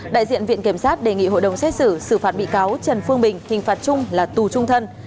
đại diện viện kiểm sát đề nghị hội đồng xét xử xử phạt bị cáo trần phương bình hình phạt chung là tù trung thân